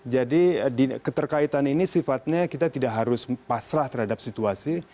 jadi keterkaitan ini sifatnya kita tidak harus pasrah terhadap situasi